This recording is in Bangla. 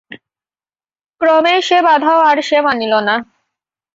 ক্রমে সে বাধাও আর সে মানিল না।